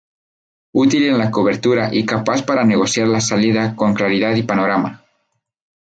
Útil en la cobertura y capaz para negociar la salida con claridad y panorama.